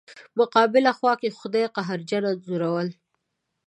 مقابله خوا کې خدای قهرجنه انځوروله.